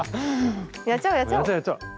やっちゃおうやっちゃおう。